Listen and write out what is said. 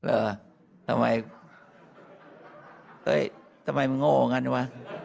เอ้อทำไมเอ๊ะทำไมมันโง่กันวะ